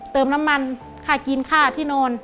เติมน้ำมันค่ากินค่าที่นอน